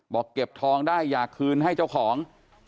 บอกเก็บทองได้อยากคืนให้เจ้าของ